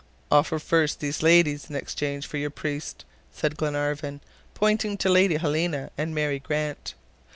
"Offer first these ladies in exchange for your priest," said Glenarvan, pointing to Lady Helena and Mary Grant.